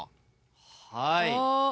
はい。